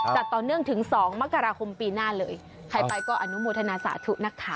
จัดต่อเนื่องถึงสองมกราคมปีหน้าเลยใครไปก็อนุโมทนาสาธุนะคะ